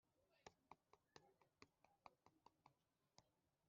Abavandimwe na bashiki bacu bo muri iryo torero